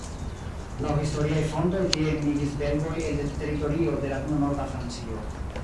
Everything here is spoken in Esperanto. Laŭ historiaj fontoj tie enmigris belgoj el teritorio de la nuna norda Francio.